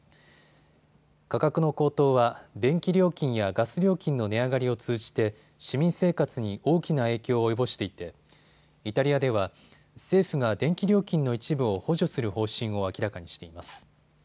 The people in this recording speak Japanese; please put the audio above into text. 価格の高騰は電気料金やガス料金の値上がりを通じて市民生活に大きな影響を及ぼしていてイタリアでは政府が電気料金の一部を補助する方針を明らかにしています。